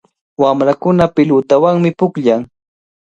Wamrakuna pilutawanmi pukllan.